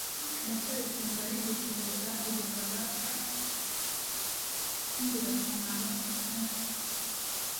ndacyayisenga yigishije jaki igifaransa cyingirakamaro cy